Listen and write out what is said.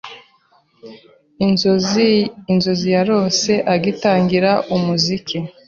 inzozi yarose agitangira umuziki